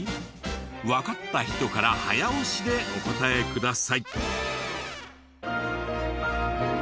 わかった人から早押しでお答えください。